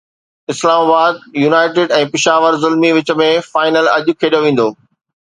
اسلام آباد يونائيٽيڊ ۽ پشاور زلمي وچ ۾ فائنل اڄ کيڏيو ويندو